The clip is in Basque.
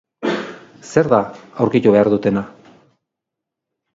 Zer da aurkitu behar dutena?